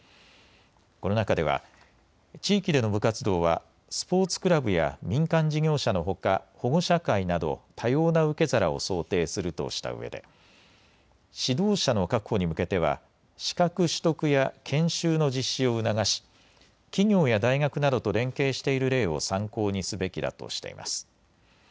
この中では地域での部活動はスポーツクラブや民間事業者のほか保護者会など多様な受け皿を想定するとしたうえで指導者の確保に向けては資格取得や研修の実施を促し企業や大学などと連携している例を参考にすべきだとしています。